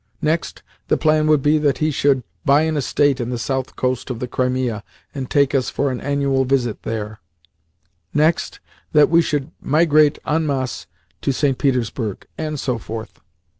Next, the plan would be that he should buy an estate on the south coast of the Crimea, and take us for an annual visit there; next, that we should migrate en masse to St. Petersburg; and so forth.